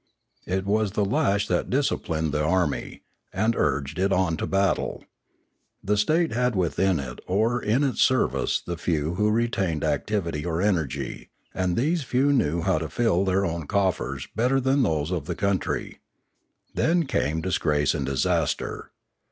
It was the lash that disciplined the army, and urged it on to battle. The state had within it or in its service the few who retained activity or energy; and these few knew how to fill their own cof fers better than those of the country. Then came dis grace and disaster.